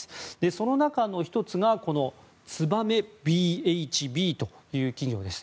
その中の１つがつばめＢＨＢという企業です。